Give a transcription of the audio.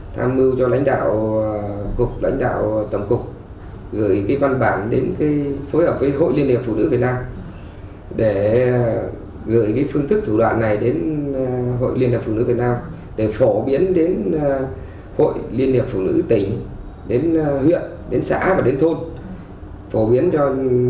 phổ biến cho những người phụ nữ này để nắm được phương thức thủ đoạn này của các đối tượng pháp độ